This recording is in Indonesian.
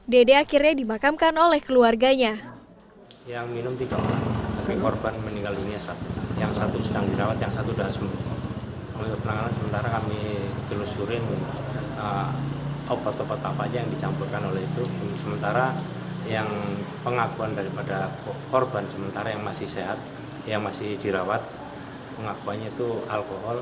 dede akhirnya dimakamkan oleh keluarganya